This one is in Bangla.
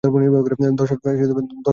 দশ হাজার ফুট!